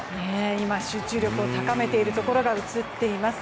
今、集中力を高めているところが映っています。